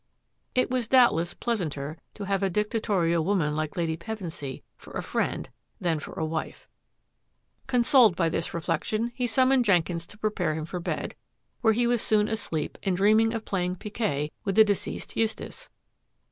It was doubtless pleasanter to have a dictatorial woman like Lady Pevensy for a friend than for a wife. Consoled 9X6 THAT AFFAIR AT THE MANOR by this reflection, he summoned Jenkins to prepare him for bed, where he was soon asleep and dream ing of playing piquet with the deceased Eustace.